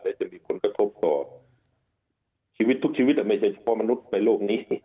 และจะมีผลกระทบต่อชีวิตทุกชีวิตไม่ใช่เฉพาะมนุษย์ในโลกนี้